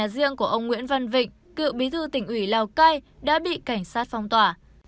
riêng của ông nguyễn văn vịnh cựu bí thư tỉnh ủy lào cai đã bị cảnh sát phong tỏa